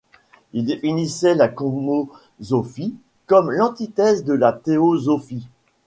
Il définissait la Cosmosophie comme l'antithèse de la Théosophie.